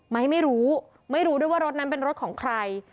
ไม่รู้ไม่รู้ด้วยว่ารถนั้นเป็นรถของใคร